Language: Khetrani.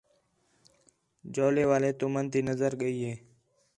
جَولے والے تُمن تی نظر ڳئی ہِے